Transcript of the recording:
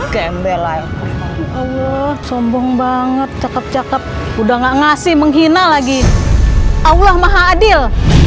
gembelan allah sombong banget cakep cakep udah gak ngasih menghina lagi allah maha adil